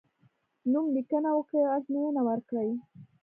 نوم لیکنه وکړی او ازموینه ورکړی.